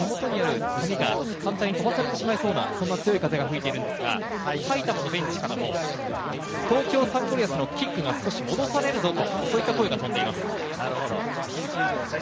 手元にある紙が簡単に飛ばされてしまいそうだ、そんな強い風が吹いているんですが、埼玉のベンチからも東京サンゴリアスのキックが少し戻されるぞと、そういった声がとんでいます。